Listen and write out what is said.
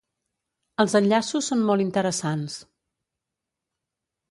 Els enllaços són molt interessants.